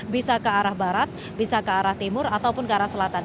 bisa ke arah barat bisa ke arah timur ataupun ke arah selatan